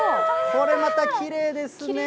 これまたきれいですね。